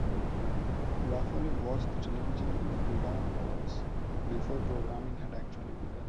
Laffoley watched television in the pre-dawn hours, before programming had actually begun.